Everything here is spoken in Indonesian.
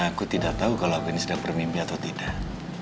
aku tidak tahu kalau aku ini sudah bermimpi atau tidak